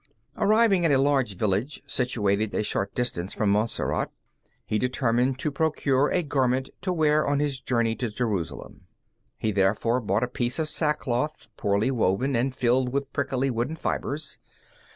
Arriving at a large village situated a short distance from Montserrat, he determined to procure a garment to wear on his journey to Jerusalem. He therefore bought a piece of sackcloth, poorly woven, and filled with prickly wooden fibres.